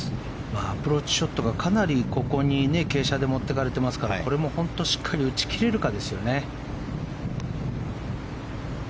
アプローチショットがかなり傾斜に持っていかれてますからこれもしっかり打ち切れるか。